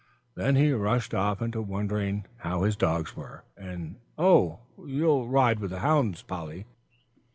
Then he rushed off into wondering how his dogs were. "And, oh, you'll ride with the hounds, Polly!"